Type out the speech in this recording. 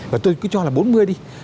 và tôi cứ cho là bốn mươi đi